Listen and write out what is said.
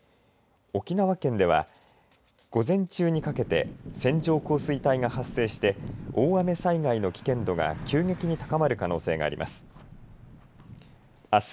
沖縄県では午前中にかけて線状降水帯が発生して大雨災害の危険度が急激に高まる可能性があります。